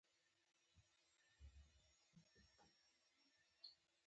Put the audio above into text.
سندره د مور سندره ده